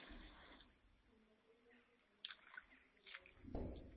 Kuna liga za neva na za moyo ndani yake.